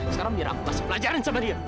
sekarang biar aku masih pelajarin sama dia